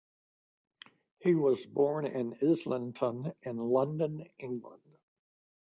He was born in Islington, in London, England.